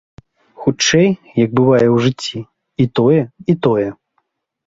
Хутчэй, як бывае ў жыцці, і тое, і тое.